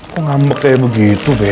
kok ngambek kayak begitu deh